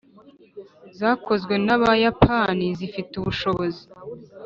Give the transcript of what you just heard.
zakozwe n’Abayapani zifite ubushobozi